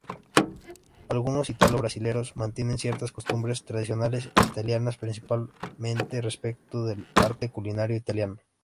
Algunos ítalo-brasileros mantienen ciertas costumbres tradicionales italianas, principalmente respecto del arte culinario italiano.